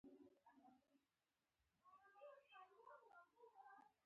خلک په ښو او بدو مه وویشئ، پر انسانیت باور ولرئ.